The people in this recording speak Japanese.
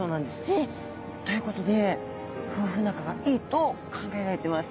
えっ！ということで夫婦仲がいいと考えられてます。